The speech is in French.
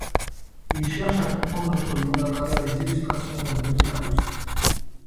Il cherche à comprendre notre monde à travers les illustrations d'un Petit Larousse.